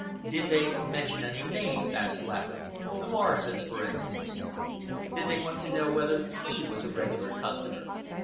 "Did they mention any names?" asked Laverick—"Morrison's, for instance? Did they want to know whether he was a regular customer?"